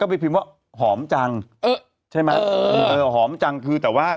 ก็ไปพิมพ์ว่าหอมจังใช่ไหมหอมจังคือแต่ว่า